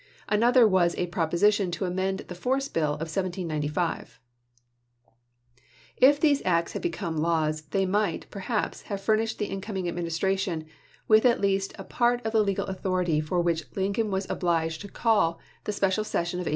Another was a proposition to amend the force bill of 1795. If these acts had be come laws, they might, perhaps, have furnished the incoming Administration with at least a part of the legal authority for which Lincoln was obliged 238 ABKAHAM LINCOLN chap. xv. to call the special session of 1861.